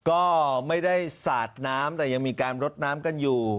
ก็ไม่ได้สาดน้ำแต่ยังมีการรดน้ำกันอยู่